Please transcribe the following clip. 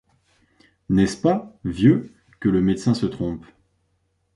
N’est-ce pas ? vieux, que le médecin se trompe